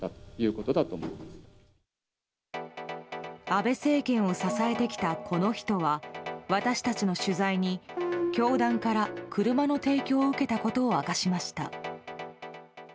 安倍政権を支えてきたこの人は私たちの取材に教団から車の提供を受けたことを明かしました。